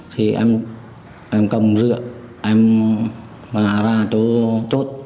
thì em cầm rượu em bà ra chỗ chốt